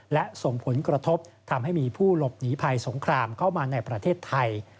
และส่งผลกระทบทำให้มีผู้หลบหนีภัยสงครามเข้ามาในประเทศไทย